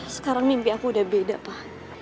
sekarang mimpi aku udah beda pak